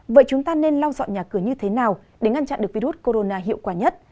vậy chúng ta nên lau dọn nhà cửa như thế nào để ngăn chặn được virus corona hiệu quả nhất